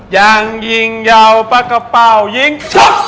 ยังยิงยาวปะกะเป่ายิงช็อป